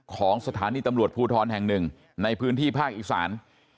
ของสถานีตำรวจภูทรแห่งหนึ่งในพื้นที่ภาคอีสาน